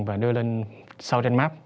và đưa lên southern map